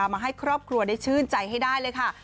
มากครับจริง